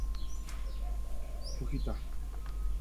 Yoshiaki Fujita